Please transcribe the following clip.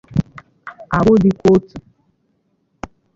agwụ dịkwà ótù.